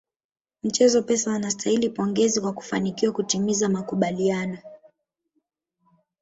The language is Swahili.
Mchezo Pesa wanastahili pongezi kwa kufanikiwa kutimiza makubaliano